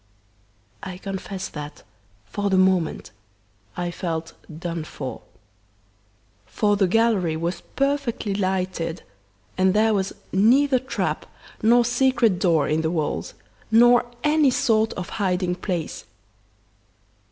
"I confess that, for the moment, I felt 'done for.' For the gallery was perfectly lighted, and there was neither trap, nor secret door in the walls, nor any sort of hiding place.